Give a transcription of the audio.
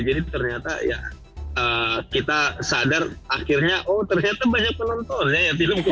jadi ternyata ya kita sadar akhirnya oh ternyata banyak penonton ya ya film komedi